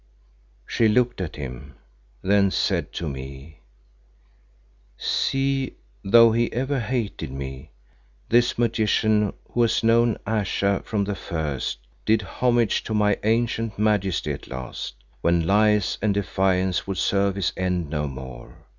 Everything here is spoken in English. She looked at him, then said to me "See, though he ever hated me, this magician who has known Ayesha from the first, did homage to my ancient majesty at last, when lies and defiance would serve his end no more.